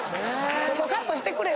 そこカットしてくれ！